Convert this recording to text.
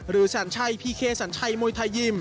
หรือแสนชัยพีเคแสนชัยมวยไทยยิม